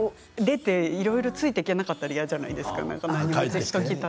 出ていろいろついていけなかったら嫌じゃないですか。